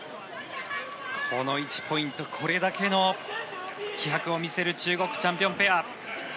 この１ポイントこれだけの気迫を見せる中国チャンピオンペア。